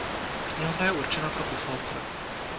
Knihovna je určena pro poslance.